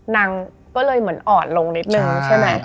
นังก็เลยอ่อนลงนิดนึงใช่ไหม